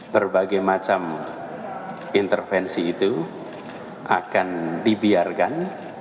berbagai macam intervensi itu akan dibiarkan